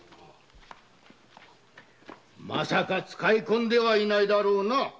使い込んではいないだろうな？